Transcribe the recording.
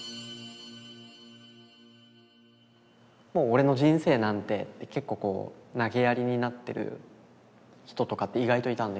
「もう俺の人生なんて」って結構こうなげやりになってる人とかって意外といたんですよね。